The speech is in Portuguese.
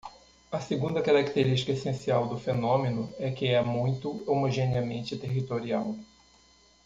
A segunda característica essencial do fenômeno é que é muito homogeneamente territorial.